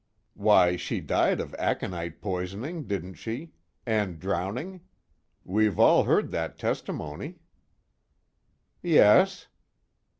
"Why she died of aconite poisoning, didn't she? And drowning? We've all heard that testimony." "Yes."